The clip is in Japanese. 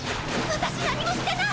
私何もしてない！